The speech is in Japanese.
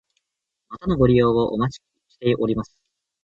またのご利用お待ちしております。